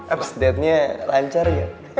abis ngedatenya lancar gak